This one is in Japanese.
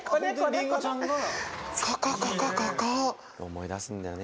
思い出すんだよね